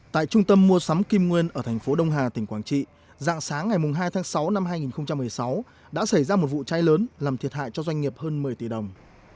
tại trung tâm mua sắm kim nguyên ở thành phố đông hà tỉnh quảng trị dạng sáng ngày hai tháng sáu năm hai nghìn một mươi sáu đã xảy ra một vụ cháy lớn làm thiệt hại cho doanh nghiệp hơn một mươi tỷ đồng